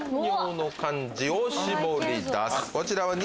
こちら。